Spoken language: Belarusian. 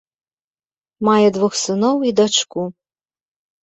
Мае двух сыноў і дачку.